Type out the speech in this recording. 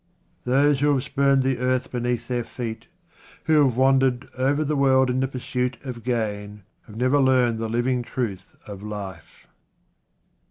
Those who have spurned the earth beneath their feet, who have wandered over the world in the pursuit of gain, have never learned the living truth of life.